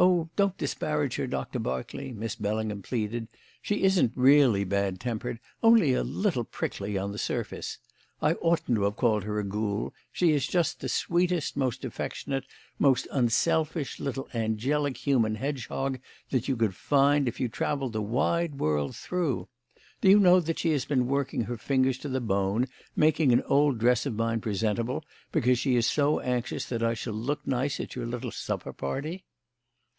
"Oh, don't disparage her, Doctor Berkeley!" Miss Bellingham pleaded. "She isn't really bad tempered; only a little prickly on the surface. I oughtn't to have called her a ghoul; she is just the sweetest, most affectionate, most unselfish little angelic human hedgehog that you could find if you travelled the wide world through. Do you know that she has been working her fingers to the bone making an old dress of mine presentable because she is so anxious that I shall look nice at your little supper party."